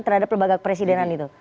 terhadap lembaga kepresidenan itu